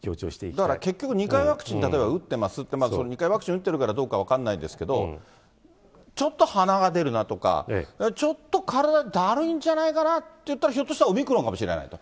だから結局２回ワクチン打ってますって、２回ワクチン打ってるからどうか分からないですけど、ちょっと鼻が出るなとか、ちょっと体だるいんじゃないかなっていったら、ひょっとしたらオミクロンかもしれないと。